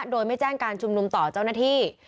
โดยไม่แจ้งการชุมนุมต่อเจ้าหน้าที่